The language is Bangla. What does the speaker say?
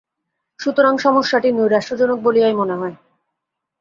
সুতরাং সমস্যাটি নৈরাশ্যজনক বলিয়াই মনে হয়।